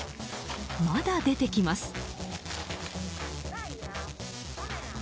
まだ出てきます。